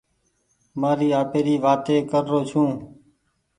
مآري آپيري وآتي ڪي رو ڇون.